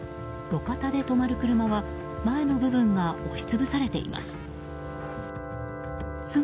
路肩で止まる車は前の部分が押し潰されています。